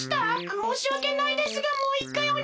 もうしわけないですがもういっかいおねがいします。